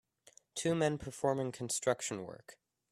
Two men performing construction work.